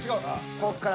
こっから。